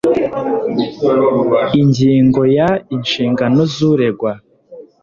Ingingo ya Inshingano z uregwa